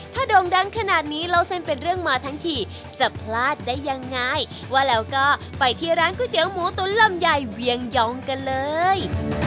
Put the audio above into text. ถ้าโด่งดังขนาดนี้เล่าเส้นเป็นเรื่องมาทั้งทีจะพลาดได้ยังไงว่าแล้วก็ไปที่ร้านก๋วยเตี๋ยวหมูตุ๋นลำไยเวียงยองกันเลย